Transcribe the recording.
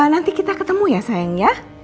nanti kita ketemu ya sayang ya